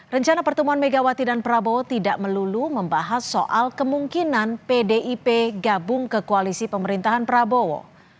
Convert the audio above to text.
rencana pertemuan megawati dan prabowo tidak melulu membahas soal kemungkinan pdip gabung ke koalisi pemerintahan prabowo